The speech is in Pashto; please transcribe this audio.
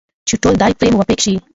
چې ټول دې پرې موافق شي.